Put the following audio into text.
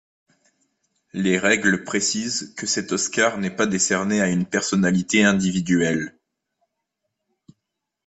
Les règles précisent que cet Oscar n'est pas décerné à une personnalité individuelle.